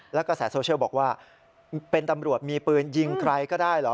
แล้วก็แสโซเชียลบอกว่าเป็นตำรวจมีปืนยิงใครก็ได้เหรอ